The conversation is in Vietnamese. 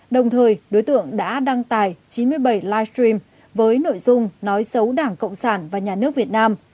đồng thời đối tượng đã đăng tài chín mươi bảy livestream với nội dung nói xấu đảng cộng sản và nhà nước việt nam